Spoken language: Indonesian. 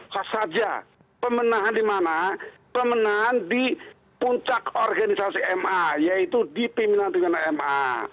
khas saja pemenahan di mana pemenahan di puncak organisasi ma yaitu di pimpinan pimpinan ma